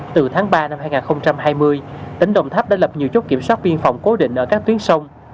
từ tháng ba năm hai nghìn hai mươi tỉnh đồng tháp đã lập nhiều chốt kiểm soát biên phòng cố định ở các tuyến sông